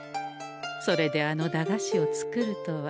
それであの駄菓子を作るとは。